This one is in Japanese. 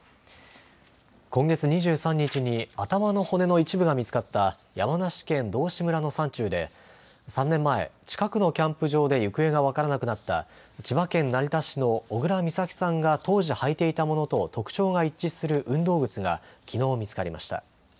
今月２３日に頭の骨の一部が見つかった山梨県道志村の山中で、３年前、近くのキャンプ場で行方が分からなくなった、千葉県成田市の小倉美咲さんが当時履いていたものと特徴が一致する運動靴がきのう、見つかりました。